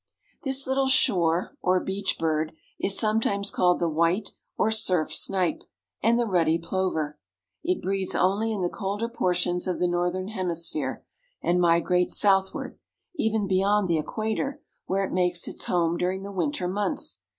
This little shore or beach bird is sometimes called the White or Surf Snipe, and the Ruddy Plover. It breeds only in the colder portions of the northern hemisphere and migrates southward, even beyond the equator where it makes its home during the winter months.